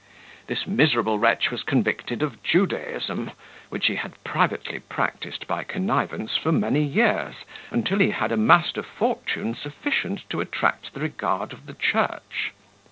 This miserable wretch was convicted of Judaism, which he had privately practised by connivance for many years, until he had amassed a fortune sufficient to attract the regard of the church.